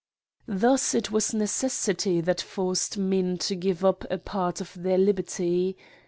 Thus it was necessity that forced men to give up a part of their liberty.